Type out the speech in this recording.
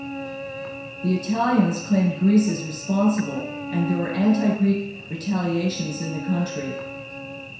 The Italians claimed Greece as responsible and there were anti-Greek retaliations in the country.